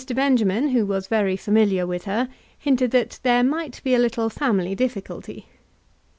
Benjamin, who was very familiar with her, hinted that there might be a little family difficulty.